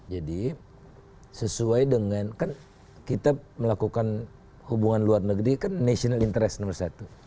jadi sesuai dengan kan kita melakukan hubungan luar negeri kan national interest nomor satu